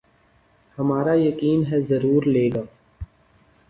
ہمارا یقین ہے ضرور لیگا